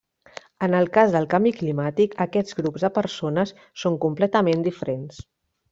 En el cas del canvi climàtic aquests grups de persones són completament diferents.